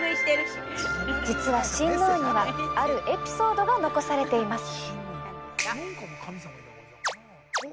実は、神農にはあるエピソードが残されています。